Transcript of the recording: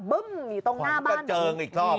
อยู่ตรงหน้าบ้านขวัญกระเจิงอีกรอบ